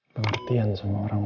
pengertian sama orangtua